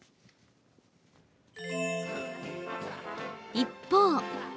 一方。